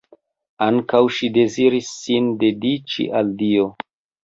Ankaŭ ŝi deziris sin dediĉi al Dio.